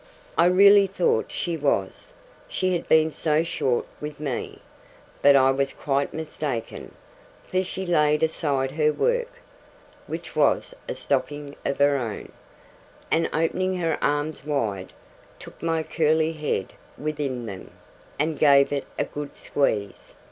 I really thought she was, she had been so short with me; but I was quite mistaken: for she laid aside her work (which was a stocking of her own), and opening her arms wide, took my curly head within them, and gave it a good squeeze.